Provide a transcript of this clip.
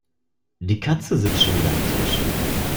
Die Katze sitzt schon wieder am Tisch.